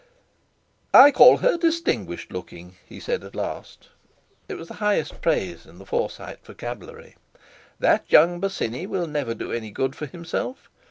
"I call her distinguished looking," he said at last—it was the highest praise in the Forsyte vocabulary. "That young Bosinney will never do any good for himself.